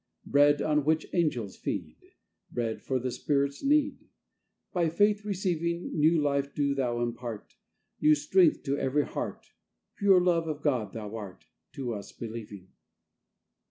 Bread on which angels feed, Bread for the spirit's needBy faith receiving, New life do Thou impart, New strength to every heart, Pure love of God Thou artTo us believing.